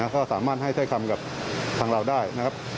ก็สามารถให้ถ้อยคำกับทางเราได้นะครับ